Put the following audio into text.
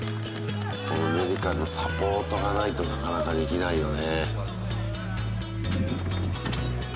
このメディカルのサポートがないとなかなかできないよね。